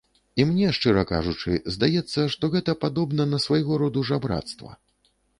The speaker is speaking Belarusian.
І мне, шчыра кажучы, здаецца, што гэта падобна на свайго роду жабрацтва.